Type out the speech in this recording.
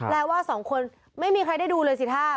ว่าสองคนไม่มีใครได้ดูเลยสิท่า